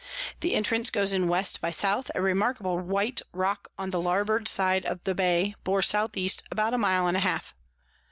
The Entrance goes in W by S. a remarkable white Rock on the Larboard side of the Bay bore S E. about a mile and a half.